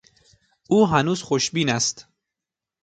او هنوز خوشبین است.